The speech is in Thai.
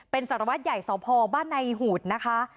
เป็นสารวัตรใหญ่สพบ้านในหูดนะคะ